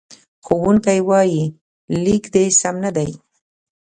ښوونکی وایي، لیک دې سم نه دی.